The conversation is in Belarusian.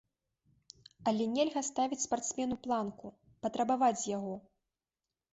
Але нельга ставіць спартсмену планку, патрабаваць з яго.